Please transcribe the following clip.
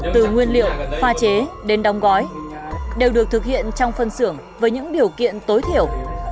từ nguyên liệu pha chế đến đóng gói đều được thực hiện trong phân xưởng với những điều kiện tối thiểu